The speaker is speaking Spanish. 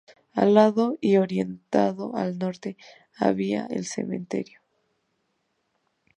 Al lado, y orientado al norte, había el cementerio.